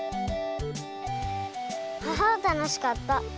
あたのしかった！